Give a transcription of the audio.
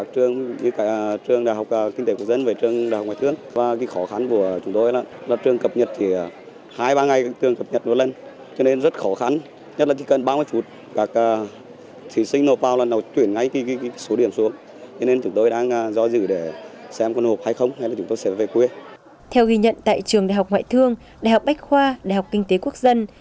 theo ghi nhận tại trường đại học ngoại thương đại học bách khoa đại học kinh tế quốc dân